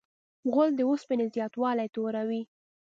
غول د اوسپنې زیاتوالی توروي.